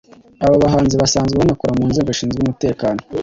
Aba bahanzi basanzwe banakora mu nzego zishinzwe umutekano